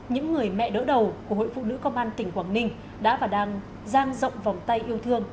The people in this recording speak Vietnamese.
những người mẹ đỡ đầu của hội phụ nữ công an tỉnh quảng ninh đã và đang giang rộng vòng tay yêu thương